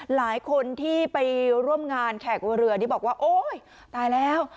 หลายคนที่ไปร่วมงานแขกเรือนี่บอกว่าโอ๊ยตายแล้ว